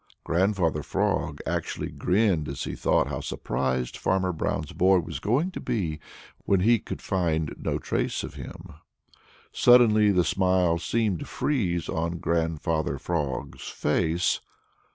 Grandfather Frog actually grinned as he thought how surprised Farmer Brown's boy was going to be when he could find no trace of him. Suddenly the smile seemed to freeze on Grandfather Frog's face.